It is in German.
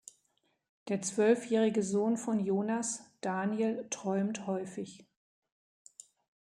Der zwölfjährige Sohn von Jonas, Daniel, träumt häufig.